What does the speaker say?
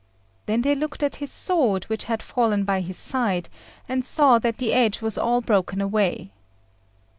Then they looked at his sword, which had fallen by his side, and saw that the edge was all broken away.